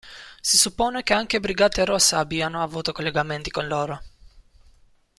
Si suppone che anche Brigate Rosse abbiano avuto collegamenti con loro.